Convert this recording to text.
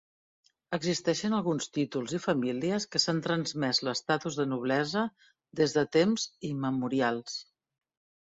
Existeixen alguns títols i famílies que s'han transmès l'estatus de noblesa des de temps immemorials.